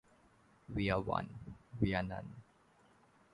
We are one; we are none.